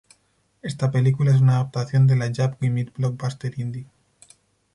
Esta película es una adaptación de la "Jab We Met Blockbuster Hindi".